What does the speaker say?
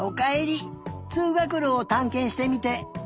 つうがくろをたんけんしてみてどうだった？